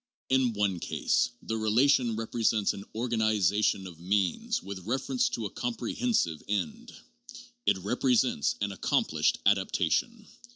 In one case, the relation repre sents an organization of means with reference to a comprehen sive end. It represents an accomplished adaptation.